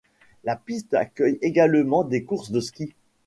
La piste accueille également des courses de ski.